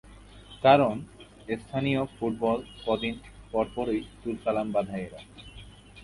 কারণ, স্থানীয় ফুটবলে কদিন পরপরই তুলকালাম বাধায় এরা।